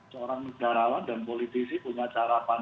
seorang negarawan dan politisi punya cara pandang